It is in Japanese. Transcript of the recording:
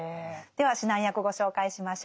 では指南役ご紹介しましょう。